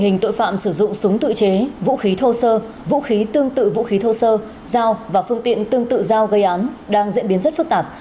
hình tội phạm sử dụng súng tự chế vũ khí thô sơ vũ khí tương tự vũ khí thô sơ dao và phương tiện tương tự dao gây án đang diễn biến rất phức tạp